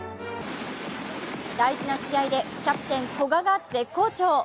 大事な試合でキャプテン・古賀が絶好調。